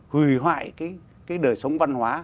hủy hoại cái đời sống văn hóa